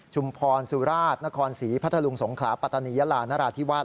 พรสุราชนครศรีพัทธลุงสงขลาปัตตานียาลานราธิวาส